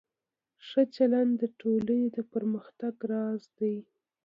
ښه چلند د ټولنې د پرمختګ راز دی.